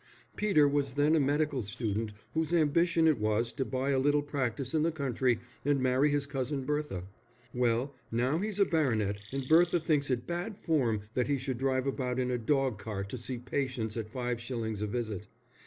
Peter was then a medical student whose ambition it was to buy a little practice in the country and marry his cousin Bertha. Well, now he's a baronet and Bertha thinks it bad form that he should drive about in a dog cart to see patients at five shillings a visit.